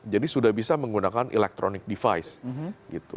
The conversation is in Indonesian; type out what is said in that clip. jadi sudah bisa menggunakan electronic device gitu